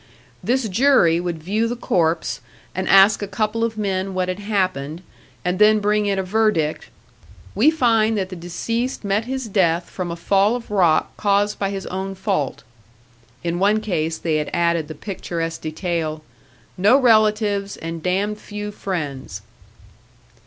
This jury would view the corpse, and ask a couple of men what had happened, and then bring in a verdict: "We find that the deceased met his death from a fall of rock caused by his own fault." (In one case they had added the picturesque detail: "No relatives, and damned few friends!")